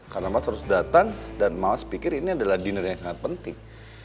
karena mas harus datang dan mas pikir ini adalah dinner yang sangat penting